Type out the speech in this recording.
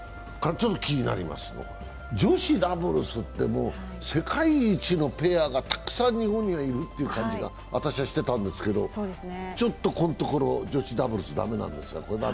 女子ダブルスって世界一のペアがたくさん日本にはいるという感じが私はしてたんですけど、ちょっと、このところ、女子ダブルス駄目なんですよ。